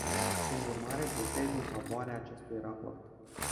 Prin urmare, votez în favoarea acestui raport.